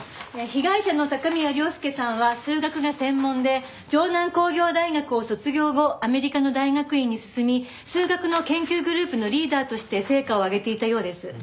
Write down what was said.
被害者の高宮良介さんは数学が専門で城南工業大学を卒業後アメリカの大学院に進み数学の研究グループのリーダーとして成果を上げていたようです。